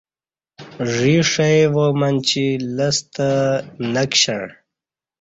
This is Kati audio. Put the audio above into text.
ژی ݜئی وامنچے لستہ نکشݩع